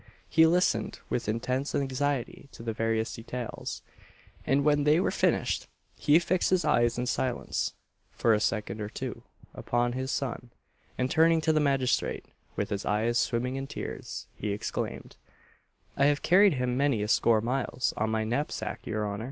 He listened with intense anxiety to the various details; and when they were finished, he fixed his eyes in silence, for a second or two, upon his son, and turning to the magistrate, with his eyes swimming in tears, he exclaimed "I have carried him many a score miles on my knapsack, your honour!"